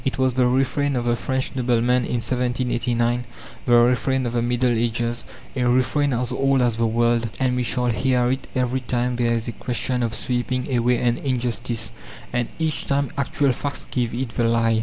It was the refrain of the French noblemen in 1789, the refrain of the Middle Ages, a refrain as old as the world, and we shall hear it every time there is a question of sweeping away an injustice. And each time actual facts give it the lie.